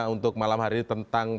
untuk malam hari ini tentang